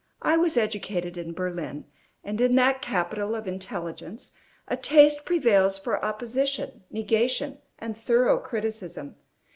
I was educated in Berlin, and in that capital of intelligence a taste prevails for opposition, negation, and thorough criticism.